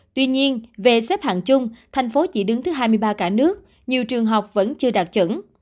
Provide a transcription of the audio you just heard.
tuy nhiên về xếp hạng chung thành phố chỉ đứng thứ hai mươi ba cả nước nhiều trường học vẫn chưa đạt chuẩn